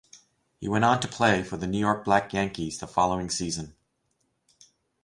He went on to play for the New York Black Yankees the following season.